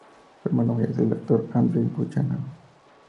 Su hermano mayor es el actor Andrew Buchanan.